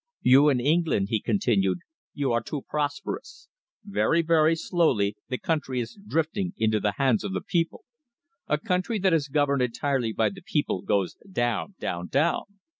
"You in England," he continued, "you are too prosperous. Very, very slowly the country is drifting into the hands of the people. A country that is governed entirely by the people goes down, down, down.